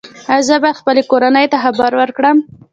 ایا زه باید خپلې کورنۍ ته خبر ورکړم؟